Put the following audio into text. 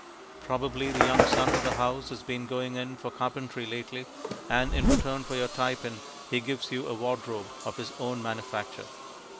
Probably the young son of the house has been going in for carpentry lately, and in return for your tie pin he gives you a wardrobe of his own manufacture.